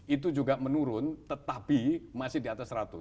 itu juga menurun tetapi masih di atas seratus